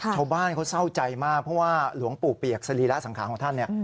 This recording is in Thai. ชาวบ้านเขาเศร้าใจมากเพราะว่าหลวงปู่เปียกสรีระสังขารของท่านเนี่ย